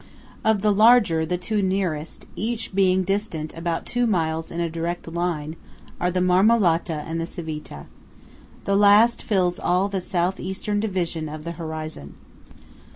Of the larger, the two nearest (each being distant about two miles in a direct line) are the Marmolata and the Civita. The last fills all the South Eastern division of the horizon.